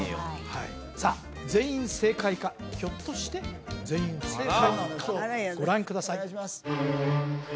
はいさあ全員正解かひょっとして全員不正解かご覧ください